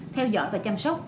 theo dõi và chăm sóc